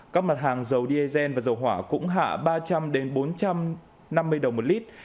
các mặt hàng dầu diesel và dầu hỏa cũng hạ ba trăm linh bốn trăm năm mươi đồng một lít